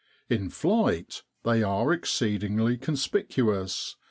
In flight they are exceedingly conspicuous.